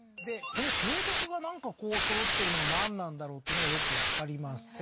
この低木がなんかこうそろってるのがなんなんだろうっていうのがよくわかりません